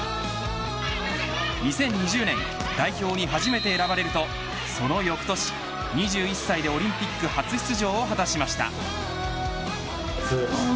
２０２０年代表に初めて選ばれるとその翌年、２１歳でオリンピック初出場を果たしました。